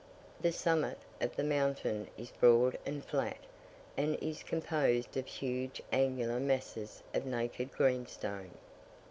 The summit of the mountain is broad and flat, and is composed of huge angular masses of naked greenstone.